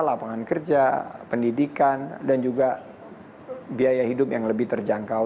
lapangan kerja pendidikan dan juga biaya hidup yang lebih terjangkau